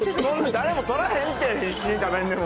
誰も取らへんって必死に食べんでも。